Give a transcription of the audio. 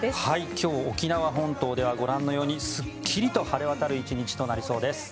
今日、沖縄本島ではご覧のようにすっきりと晴れ渡る１日となりそうです。